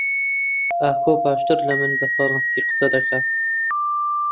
ئاکۆ باشتر لە من بە فەڕەنسی قسە دەکات.